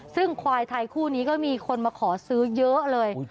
ซึ่งควายไทยคู่นี้ก็มีคนมาขอซื้อเยอะเลย